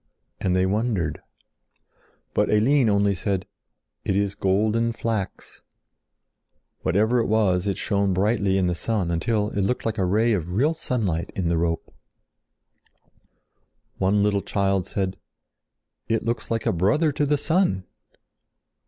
And they wondered. But Eline only said "It is golden flax." Whatever it was, it shone brightly in the sun until it looked like a ray of real sunlight in the rope. [Illustration: MAKING ROPE] One little child said: "It looks like a brother to the sun!"